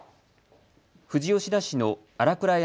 富士吉田市の新倉山